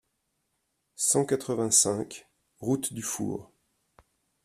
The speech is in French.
cent quatre-vingt-cinq route du Four